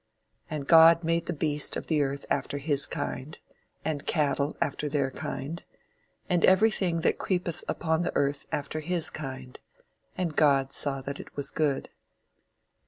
And God made the beast of the earth after his kind, and cattle after their kind, and every thing that creepeth upon the earth after his kind; and God saw that it was good."